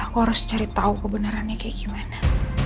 aku harus cari tau kebenerannya kayak gimana